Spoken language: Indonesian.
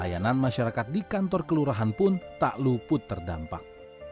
layanan masyarakat di kantor kelurahan pun tak luput terdampak